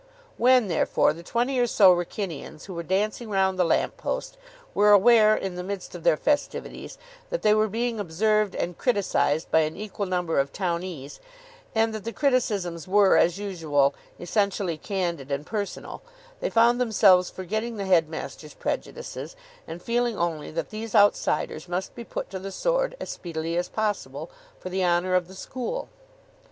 When, therefore, the twenty or so Wrykynians who were dancing round the lamp post were aware, in the midst of their festivities, that they were being observed and criticised by an equal number of townees, and that the criticisms were, as usual, essentially candid and personal, they found themselves forgetting the headmaster's prejudices and feeling only that these outsiders must be put to the sword as speedily as possible, for the honour of the school.